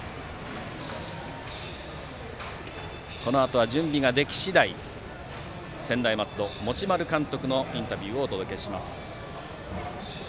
このあとは準備ができ次第専大松戸の持丸監督のインタビューをお届けします。